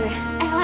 gue mau ke sana